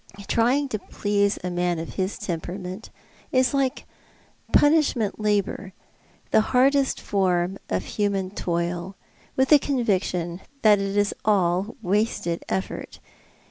Trying to please a man of his temperament is like punish ment labour — the hardest form of human toil — with the con viction that it is all wasted effort.